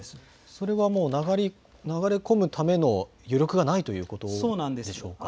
それはもう、流れ込むための余力がないということでしょうか。